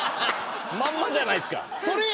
まんまじゃないですか。